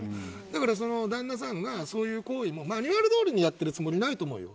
だから、旦那さんがそういう行為もマニュアルどおりにやっているつもりはないと思うよ。